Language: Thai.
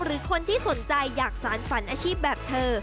หรือคนที่สนใจอยากสารฝันอาชีพแบบเธอ